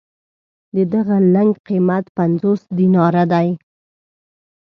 د دغه لنګ قېمت پنځوس دیناره دی.